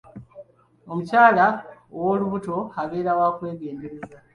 Omukyala w'olubuto abeera wa kwegendereza.